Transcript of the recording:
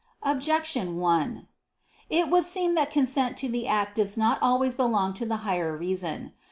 Objection 1: It would seem that consent to the act does not always belong to the higher reason.